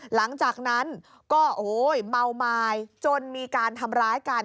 หลังจากนั้นก็โอ้โหเมาไม้จนมีการทำร้ายกัน